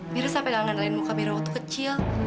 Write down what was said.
mira sampai gak ngandalkin muka mira waktu kecil